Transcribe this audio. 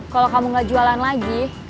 kalo kamu ga jualan lagi